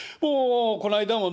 この間もね